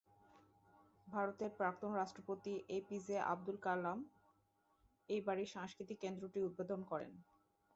ভারতের প্রাক্তন রাষ্ট্রপতি A P J Abdul Kalam এই বাড়ির সাংস্কৃতিক কেন্দ্রটি উদ্বোধন করেন।